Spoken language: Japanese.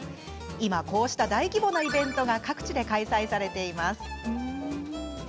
今、こうした大規模なイベントが各地で開催されています。